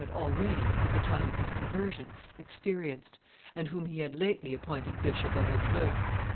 had already, at the time of his conversion, experienced, and whom he had lately appointed Bishop of Evreux.